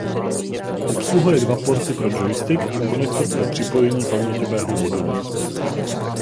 Obsahuje dva porty pro joystick a konektor pro připojení paměťového modulu.